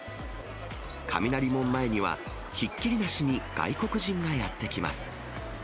雷門前には、ひっきりなしに外国人がやって来ます。